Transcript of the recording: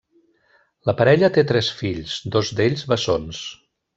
La parella té tres fills, dos d’ells bessons.